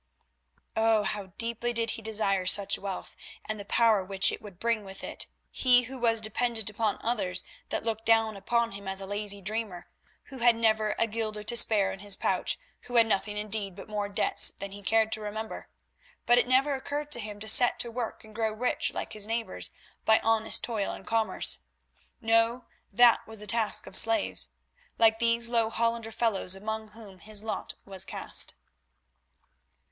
Oh! how deeply did he desire such wealth and the power which it would bring with it; he who was dependent upon others that looked down upon him as a lazy dreamer, who had never a guilder to spare in his pouch, who had nothing indeed but more debts than he cared to remember. But it never occurred to him to set to work and grow rich like his neighbours by honest toil and commerce. No, that was the task of slaves, like these low Hollander fellows among whom his lot was cast.